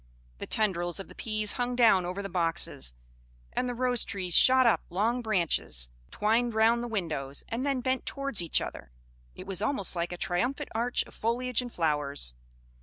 The tendrils of the peas hung down over the boxes; and the rose trees shot up long branches, twined round the windows, and then bent towards each other: it was almost like a triumphant arch of foliage and flowers.